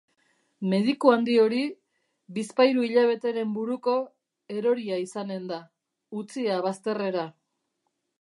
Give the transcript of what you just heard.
Mediku handi hori, bizpahiru hilabeteren buruko, eroria izanen da, utzia bazterrera.